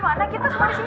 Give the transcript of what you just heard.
apaan ini din ada orang